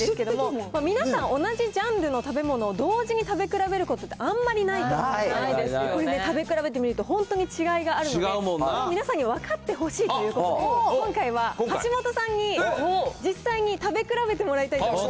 皆さん同じジャンルの食べ物を同時に食べ比べることってあんまりないと思いますが、食べ比べてみると、本当に違いがあるので、皆さんに分かってほしいということで、今回は橋下さんに実際に食べ比べてもらいたいと。